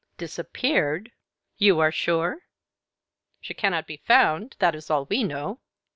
"Disappeared? You are sure?" "She cannot be found, that is all we know."